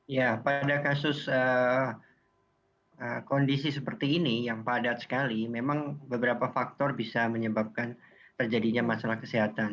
ya pada kasus kondisi seperti ini yang padat sekali memang beberapa faktor bisa menyebabkan terjadinya masalah kesehatan